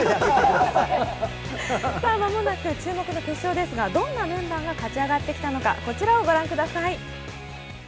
間もなく注目の決勝ですが、どんなメンバーが勝ち上がってきたのか、こちらをご覧ください。